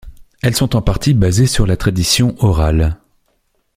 Elles sont en partie basées sur la tradition orale.